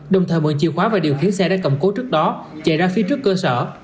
đồng thời mở chiều khóa và điều khiến xe đã cầm cố trước đó chạy ra phía trước cơ sở